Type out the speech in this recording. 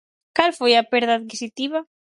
¿Cal foi a perda adquisitiva?